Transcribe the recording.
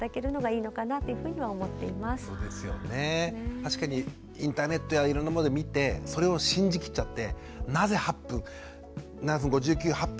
確かにインターネットやいろんなもので見てそれを信じ切っちゃってなぜ８分。